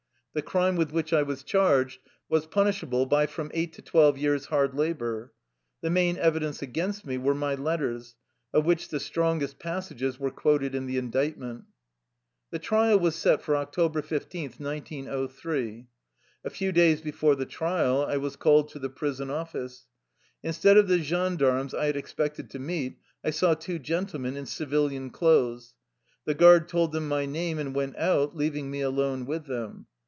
The crime with which I was charged was punishable by from eight to twelve years' hard labor. The main evidence against me were my letters, of which the strongest passages were quoted in the indictment. The trial was set for October 15, 1903. A few days before the trial I was called to the prison office. Instead of the gendarmes I had expected to meet, I saw two gentlemen in civilian clothes. The guard told them my name and went out, leaving me alone with them.